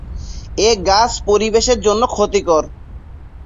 এ গাছ পরিবেশের জন্য ক্ষতিকর।